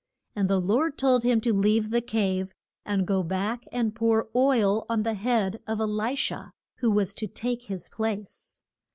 And the Lord told him to leave the cave, and go back and pour oil on the head of E li sha, who was to take his place.